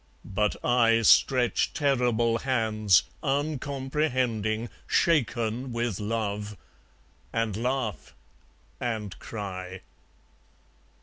But I Stretch terrible hands, uncomprehending, Shaken with love; and laugh; and cry.